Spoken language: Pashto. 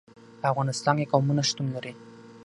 په افغانستان کې قومونه شتون لري.